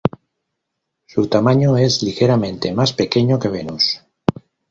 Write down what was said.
Su tamaño es ligeramente más pequeño que Venus.